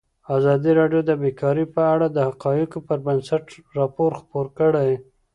ازادي راډیو د بیکاري په اړه د حقایقو پر بنسټ راپور خپور کړی.